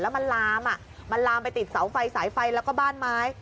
มันลามมันลามไปติดเสาไฟสายไฟแล้วก็บ้านไม้